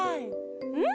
うん。